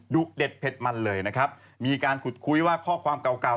เด็ดเผ็ดมันเลยนะครับมีการขุดคุยว่าข้อความเก่าเก่า